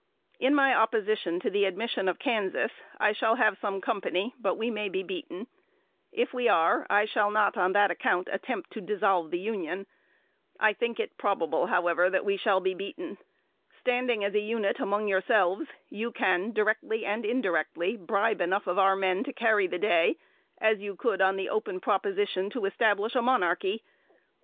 In my opposition to the admission of Kansas, I shall have some company; but we may be beaten. If we are, I shall not, on that account, attempt to dissolve the Union. I think it probable, however, we shall be beaten. Standing as a unit among yourselves, you can, directly and indirectly, bribe enough of our men to carry the day, as you could on the open proposition to establish a monarchy.